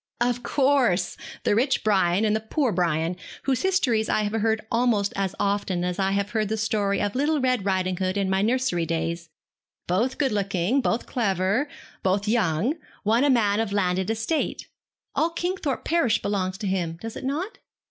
'Of course! The rich Brian, and the poor Brian, whose histories I have heard almost as often as I heard the story of "Little Red Ridinghood" in my nursery days. Both good looking, both clever, both young. One a man of landed estate. All Kingthorpe parish belongs to him, does it not?'